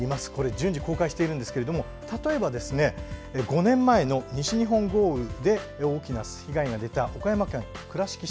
順次公開しているんですが例えば、５年前の西日本豪雨で大きな被害が出た岡山県倉敷市。